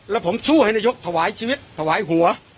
แล้วผมสู้ให้นายกถวายชีวิตถวายหัว